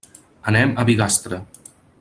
Anem a Bigastre.